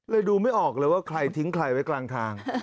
ดูไม่ออกเลยว่าใครทิ้งใครไว้กลางทาง